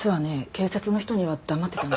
警察の人には黙ってたんだけど。